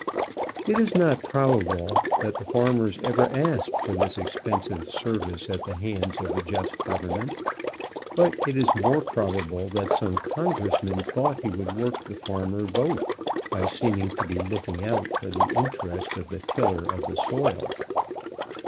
It is not probable that the farmers ever asked for this expensive service at the hands of a just government, but it is more probable that some congressman thought he could work the farmer vote by seeming to be looking out for the interest of the tiller of the soil.